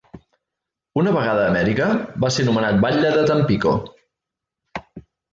Una vegada a Amèrica, va ser nomenat batlle de Tampico.